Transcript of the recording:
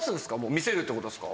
見せるってことですか？